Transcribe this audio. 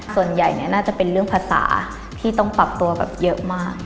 ส่วนใหญ่เนี่ยน่าจะเป็นเรื่องภาษาที่ต้องปรับตัวแบบเยอะมาก